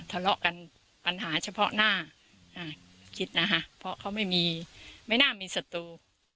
ทะเลาะกันปัญหาเฉพาะน่าคิดนะฮะเพราะเขาไม่น่ามีสัตว์